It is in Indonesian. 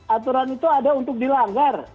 aturan itu ada untuk dilanggar